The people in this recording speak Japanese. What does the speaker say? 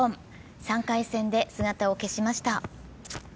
３回戦で姿を消しました。